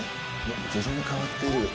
徐々に変わってる。